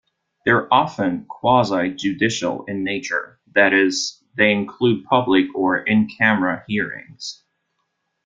They are often quasi-judicial in nature; that is, they include public or in-camera hearings.